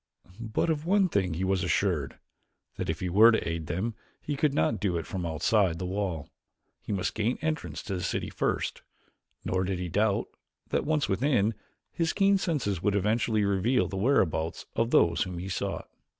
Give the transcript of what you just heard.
But of one thing he was assured: that if he were to aid them he could not do it from outside the wall. He must gain entrance to the city first, nor did he doubt, that once within, his keen senses would eventually reveal the whereabouts of those whom he sought.